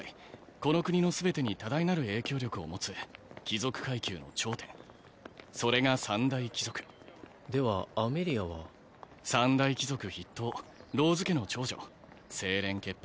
この国の全てに多大なる影響力を持つ貴族階級の頂点それが三大貴族ではアメリアは三大貴族筆頭ローズ家の長女清廉潔白